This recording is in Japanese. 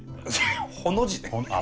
ほの字ね！